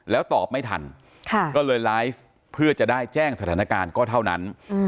แล้วตอบไม่ทันก็เลยไลฟ์เพื่อจะได้แจ้งสถานการณ์ก็เท่านั้น